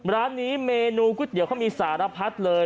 ร้านนี้เมนูกุ๊ติ๋วเค้ามีสารพัสเลย